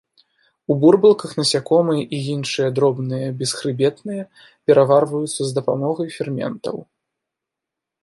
У бурбалках насякомыя і іншыя дробныя бесхрыбетныя пераварваюцца з дапамогай ферментаў.